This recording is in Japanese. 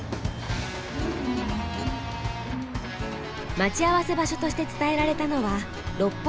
待ち合わせ場所として伝えられたのは六本木ヒルズ。